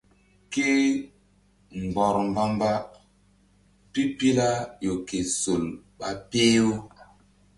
Ke mgbɔr mba-mba pipila ƴo ke sol ɓa peh-u.